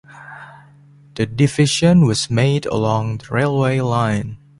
The division was made along the railway line.